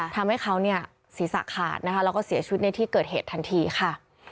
ทำให้เขาศีรษะขาดแล้วก็เสียชุดในที่เกิดเหตุทันทีค่ะ